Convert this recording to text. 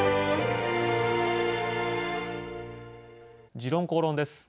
「時論公論」です。